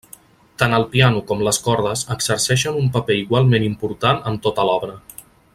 Tant el piano com les cordes exerceixen un paper igualment important en tota l'obra.